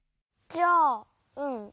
じゃあうん。